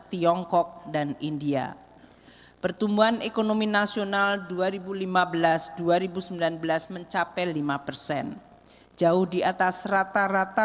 tiongkok dan india pertumbuhan ekonomi nasional dua ribu lima belas dua ribu sembilan belas mencapai lima persen jauh di atas rata rata